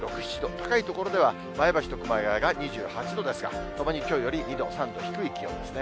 高い所では前橋と熊谷が２８度ですが、ともにきょうより２度、３度、低い気温ですね。